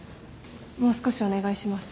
もう少しお願いします。